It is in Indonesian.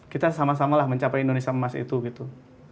kita sama samalah mencapai indonesia emas itu gitu